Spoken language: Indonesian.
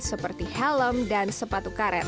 seperti helm dan sepatu karet